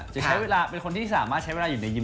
จะใช้เวลาเป็นคนที่สามารถใช้เวลาอยู่ในยิ้